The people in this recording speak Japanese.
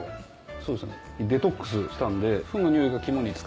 そうですね。